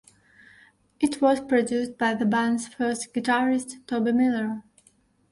It was produced by the band's first guitarist Tobi Miller.